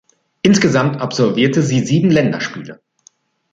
Insgesamt absolvierte sie sieben Länderspiele.